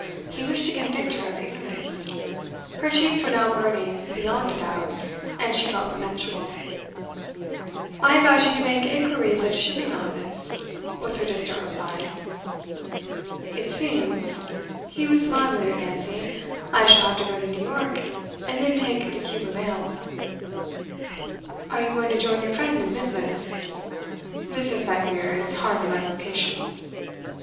He wished to convict her of ignorance. Her cheeks were now burning, beyond a doubt, and she felt revengeful. 'I advise you to make inquiries at a shipping office,' was her distant reply. 'It seems' he was smiling at Nancy 'I shall have to go to New York, and then take the Cuba mail.' 'Are you going to join your friend in business?' 'Business, I fear, is hardly my vocation.